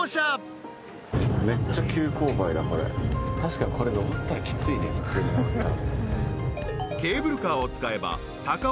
確かにこれ登ったらきついね。